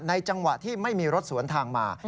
จังหวะที่ไม่มีรถสวนทางมา